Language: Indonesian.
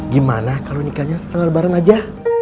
gimana kalau nikahnya setelah bareng aja